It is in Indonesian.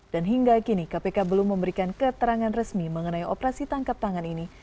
dan hingga kini kpk belum memberikan keterangan resmi mengenai operasi tangkap tangan ini